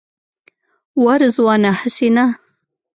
وا رضوانه هسې نه.